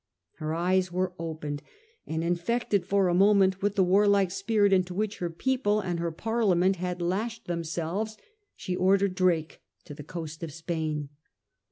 Her eyes were opened ; and infected for a moment with the warlike spirit into which her people and her Parliament had lashed themselves, she ordered Drake to the coast of Spain.